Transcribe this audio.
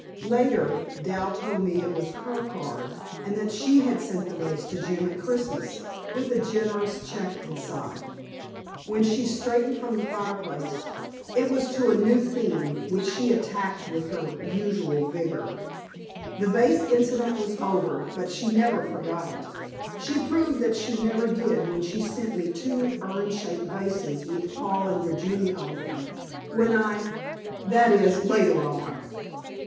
Later, Dal told me it was HER card, and that she had sent the vase to Jim at Christmas, with a generous check inside. When she straightened from the fireplace, it was to a new theme, which she attacked with her usual vigor. The vase incident was over, but she never forgot it. She proved that she never did when she sent me two urn shaped vases with Paul and Virginia on them, when I that is, later on.